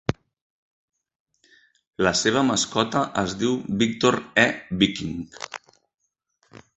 La seva mascota es diu Victor E. Viking.